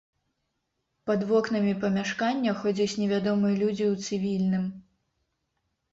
Пад вокнамі памяшкання ходзяць невядомыя людзі ў цывільным.